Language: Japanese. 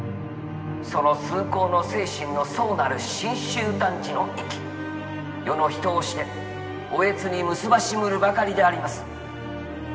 「その崇高の精神の相なる神州男児の意気世の人をしておえつに結ばしむるばかりであります」。